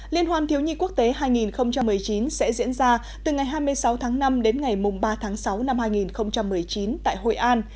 liên hoan thiếu nhi quốc tế hai nghìn một mươi chín sẽ diễn ra từ ngày hai mươi sáu tháng năm đến ngày ba tháng sáu năm hai nghìn một mươi chín tại hội an